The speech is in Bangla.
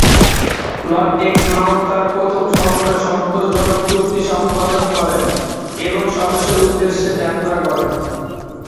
লর্ড এক্সমাউথ তাঁর প্রথম সফরে সন্তোষজনক চুক্তি সম্পাদন করেন এবং স্বদেশের উদ্দেশ্যে যাত্রা করেন।